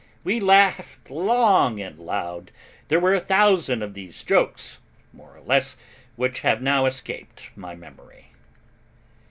We laughed long and loud, there were a thousand of these jokes, more or less, which have now escaped my memory.